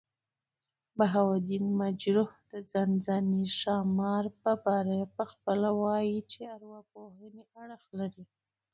بهاوالدین مجروح د ځانځانۍ ښامارپه باره پخپله وايي، چي ارواپوهني اړخ لري.